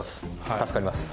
助かります。